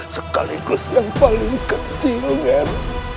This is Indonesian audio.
sekaligus yang paling kecil kan